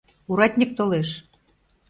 Уратньык толеш!..